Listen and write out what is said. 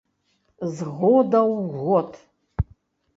З года ў год.